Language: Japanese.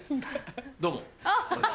どうも。